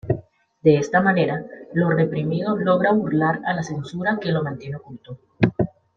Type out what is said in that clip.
De esta manera, lo reprimido logra burlar a la censura que lo mantiene oculto.